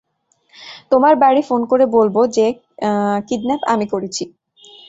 তোমার বাড়ি ফোন করে বলবো যে কিডন্যাপ আমি করেছি।